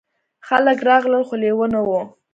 خلک راغلل خو لیوه نه و.